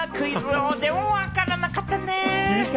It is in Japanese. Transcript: クイズ王でもわからなかったね。